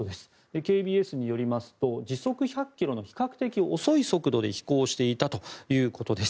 ＫＢＳによりますと時速１００ｋｍの比較的遅い速度で飛行していたということです。